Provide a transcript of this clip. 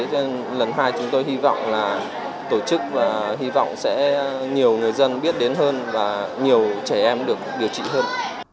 nên lần hai chúng tôi hy vọng là tổ chức và hy vọng sẽ nhiều người dân biết đến hơn và nhiều trẻ em được điều trị hơn